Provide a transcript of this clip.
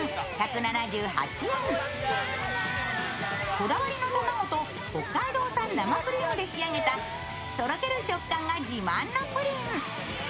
こだわりの卵と北海道産生クリームで仕上げたとろける食感が自慢のプリン。